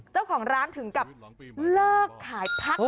เจ้าของร้านถึงกับเลิกขายพัก